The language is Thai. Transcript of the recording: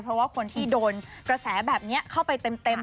เพราะว่าคนที่โดนกระแสแบบนี้เข้าไปเต็ม